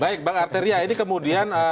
baik bang arteria ini kemudian